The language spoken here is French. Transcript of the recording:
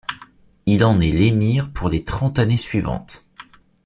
Il en est l’émir pour les trente années suivantes.